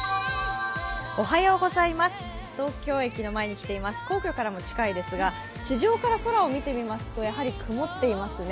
東京駅の前に来ています、皇居からも近いですが、地上から空を見てみますと、やはり曇っていますね。